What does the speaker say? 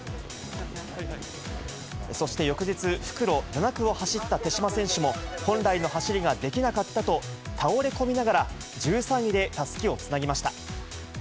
そして翌日、復路７区を走った手嶋選手も、本来の走りができなかったと、倒れ込みながら、１３位でたすきをつなぎました。